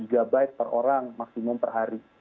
lima puluh gb per orang maksimum per hari